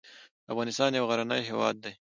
افغانستان یو غرنی هېواد دې .